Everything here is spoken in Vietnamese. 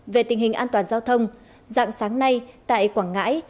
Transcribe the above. về tình hình an toàn giao thông dạng sáng nay tại quảng ngãi